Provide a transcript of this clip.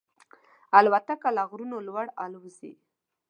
الوتکه له غرونو لوړ الوزي.